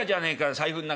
財布ん中。